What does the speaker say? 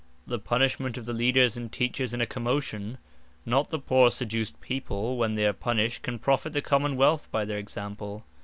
The Punishment of the Leaders, and teachers in a Commotion; not the poore seduced People, when they are punished, can profit the Common wealth by their example.